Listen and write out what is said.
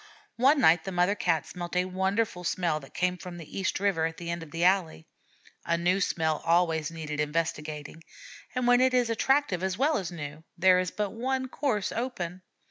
One night the mother Cat smelt a wonderful smell that came from the East River at the end of the alley. A new smell always needs investigating, and when it is attractive as well as new, there is but one course open.